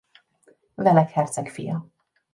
Welek herceg fia.